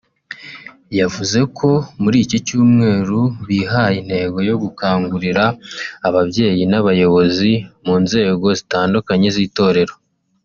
yavuze ko muri iki cyumweru bihaye intego yo gukangurira ababyeyi n’abayobozi mu nzego zitandukanye z’itorero